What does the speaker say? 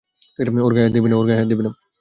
ওর গায়ে হাত দিবি না!